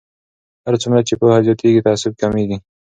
هر څومره چې پوهه زیاتیږي تعصب کمیږي.